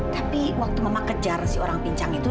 tapi waktu mama kejar si orang pincang itu